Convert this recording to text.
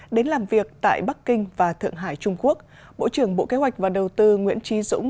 đến làm việc tại bắc kinh và thượng hải trung quốc bộ trưởng bộ kế hoạch và đầu tư nguyễn trí dũng